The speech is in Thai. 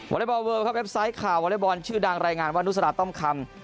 อเล็กบอลเลิลครับเว็บไซต์ข่าววอเล็กบอลชื่อดังรายงานว่านุษฎาต้อมคำ